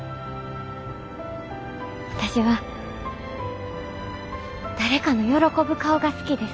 私は誰かの喜ぶ顔が好きです。